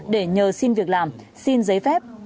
để nhờ xin việc làm xin giấy phép